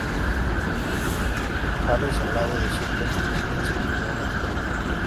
Harris", al lado de Sir Ben Kingsley y Annette Bening.